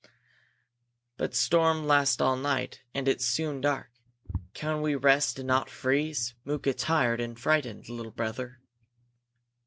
"But storm last all night, and it's soon dark. Can we rest and not freeze? Mooka tired and and frightened, little brother."